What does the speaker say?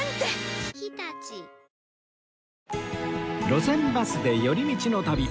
『路線バスで寄り道の旅』